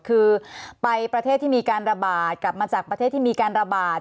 คือไปประเทศที่มีการระบาดกลับมาจากประเทศที่มีการระบาด